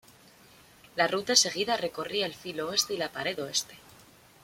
La ruta seguida recorría el filo oeste y la pared oeste.